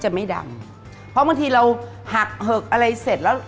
จะไม่ดำเพราะบางทีเราหักเหิกอะไรเสร็จแล้ว